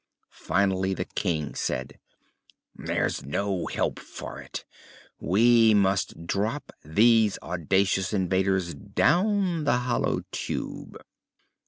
Finally the King said: "There's no help for it; we must drop these audacious invaders down the Hollow Tube."